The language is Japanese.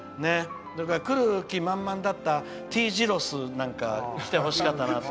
来る気満々だったＴ字路ｓなんか来てほしかったなと。